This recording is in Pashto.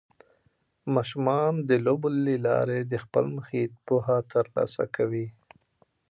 ماشومان د لوبو له لارې د خپل محیط پوهه ترلاسه کوي.